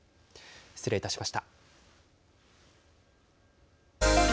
失礼いたしました。